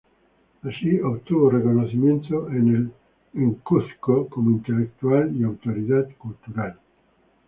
Así obtuvo reconocimiento en el Cuzco como intelectual y autoridad cultural.